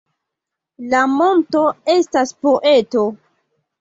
La monto estas poeto